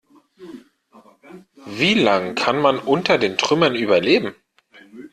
Wie lang kann man unter den Trümmern überleben?